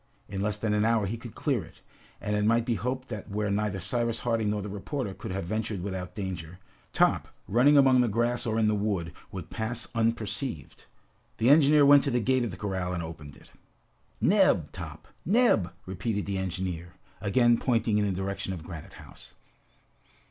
In less than an hour he could clear it, and it might be hoped that where neither Cyrus Harding nor the reporter could have ventured without danger, Top, running among the grass or in the wood, would pass unperceived. The engineer went to the gate of the corral and opened it. "Neb, Top! Neb!" repeated the engineer, again pointing in the direction of Granite House.